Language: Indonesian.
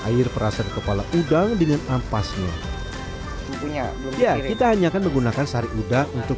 air perasan kepala udang dengan ampasnya ya kita hanya akan menggunakan sari udang untuk